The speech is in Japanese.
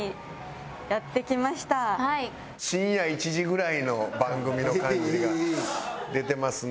深夜１時ぐらいの番組の感じが出てますね。